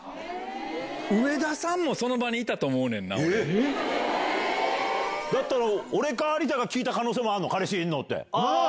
えっ⁉だったら俺か有田が聞いた可能性もある「彼氏いるの？」。